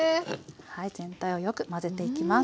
はい全体をよく混ぜていきます。